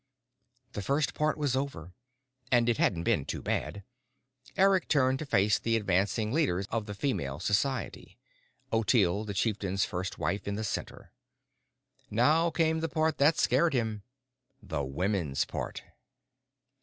The first part was over. And it hadn't been too bad. Eric turned to face the advancing leaders of the Female Society, Ottilie, the Chieftain's First Wife, in the center. Now came the part that scared him. The women's part.